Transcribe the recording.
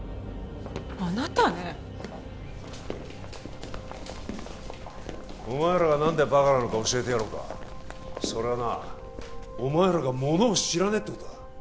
あなたねお前らが何でバカなのか教えてやろうかそれはなお前らがものを知らねえってことだ